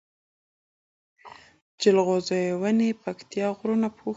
جلغوزيو ونی پکتيا غرونو پوښلي دی